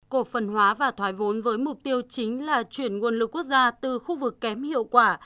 cổ phần hóa và thoái vốn với mục tiêu chính là chuyển nguồn lực quốc gia từ khu vực kém hiệu quả